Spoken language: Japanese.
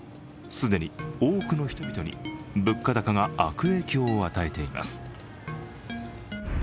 既に多くの人々に物価高が悪影響を与えています。